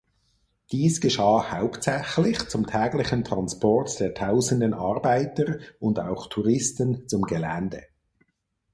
Dies geschah hauptsächlich zum täglichen Transport der tausenden Arbeiter und auch Touristen zum Gelände.